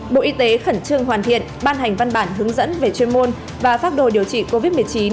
bộ y tế khẩn trương hoàn thiện ban hành văn bản hướng dẫn về chuyên môn và pháp đồ điều trị covid một mươi chín